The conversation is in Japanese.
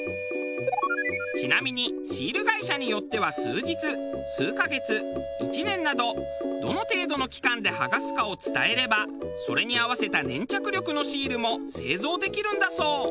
ちなみにシール会社によっては数日数カ月１年などどの程度の期間で剥がすかを伝えればそれに合わせた粘着力のシールも製造できるんだそう。